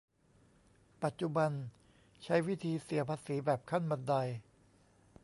ปัจจุบันใช้วิธีเสียภาษีแบบขั้นบันได